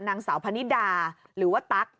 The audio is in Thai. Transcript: นางสาวพนิดาหรือว่าตั๊ก